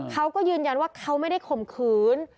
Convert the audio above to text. เขาก็ยืนยันว่าเขาไม่ได้ข่มขืน